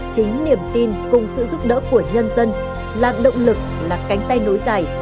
chính niềm tin cùng sự giúp đỡ của nhân dân là động lực là cánh tay nối dài